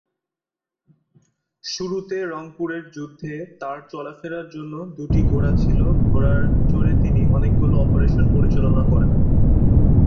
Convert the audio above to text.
শুরুতে রংপুরের যুদ্ধে তার চলাফেরার জন্য দুটি ঘোড়া ছিল ঘোড়ায় চড়ে তিনি অনেকগুলো অপারেশন পরিচালনা করেন।